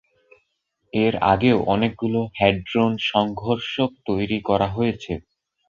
এর আগেও অনেকগুলো হ্যাড্রন-সংঘর্ষক তৈরি করা হয়েছে।